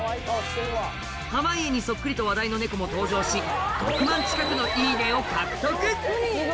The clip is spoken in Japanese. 濱家にそっくりと話題の猫も登場し６万近くの「いいね」を獲得！